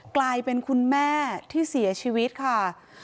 กลายเป็นคุณแม่ที่เสียชีวิตค่ะ